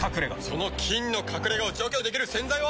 その菌の隠れ家を除去できる洗剤は。